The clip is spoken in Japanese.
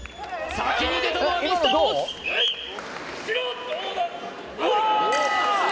先に出たのはミスター押忍止め！